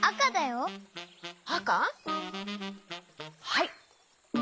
はい。